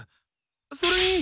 それに。